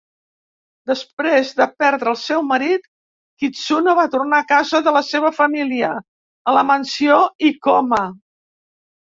Després de perdre el seu marit, Kitsuno va tornar a casa de la seva família, a la mansió Ikoma.